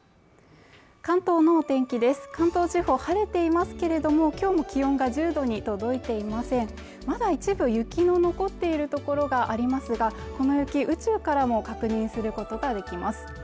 関東のお天気です関東地方晴れていますけれどもきょうも気温が１０度に届いていませんまだ一部雪の残っているところがありますがこの雪宇宙からも確認することができます